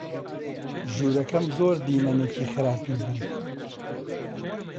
ژوورەکەم زۆر دیمەنێکی خراپی بوو.